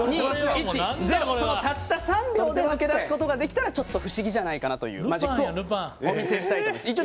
たった３秒で抜け出すことができたらちょっと不思議じゃないかなというマジックをお見せしたいと思います。